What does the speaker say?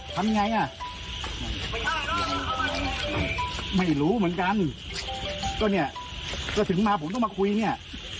ทำยังไงอ่ะไม่รู้เหมือนกันก็เนี่ยก็ถึงมาผมต้องมาคุยเนี่ย